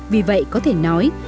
vì vậy có thể nói